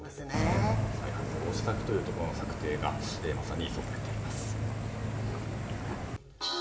政府の再発防止策の策定がまさに急がれています。